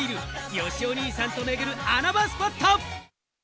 よしおお兄さんと巡る穴場スポット！